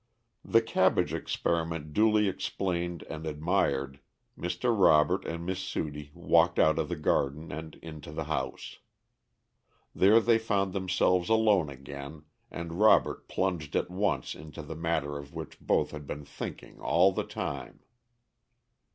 The cabbage experiment duly explained and admired, Mr. Robert and Miss Sudie walked out of the garden and into the house. There they found themselves alone again, and Robert plunged at once into the matter of which both had been thinking all the time.